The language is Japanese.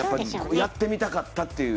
やってみたかったという。